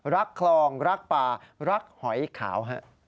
คลองรักป่ารักหอยขาว